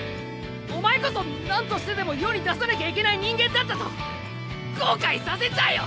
お前こそなんとしてでも世に出さなきゃいけない人間だったと後悔させちゃえよ。